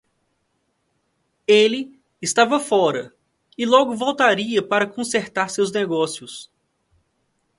Ele estava fora e logo voltaria para consertar seus negócios.